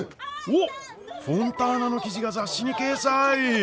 おっフォンターナの記事が雑誌に掲載。